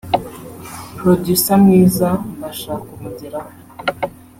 Producer mwiza mbasha kumugeraho